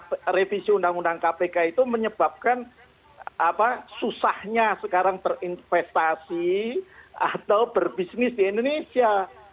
bahwa revisi undang undang kpk itu menyebabkan susahnya sekarang berinvestasi atau berbisnis di indonesia